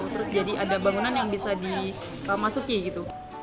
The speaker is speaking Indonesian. terus jadi ada bangunan yang bisa dimasuki gitu